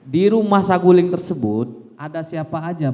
di rumah saguling tersebut ada siapa aja pak ferdisambo